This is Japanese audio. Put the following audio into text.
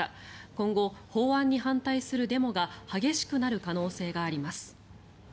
今後、法案に反対するデモが激しくなる可能性があります。